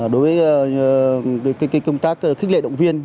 đối với công tác khích lệ động viên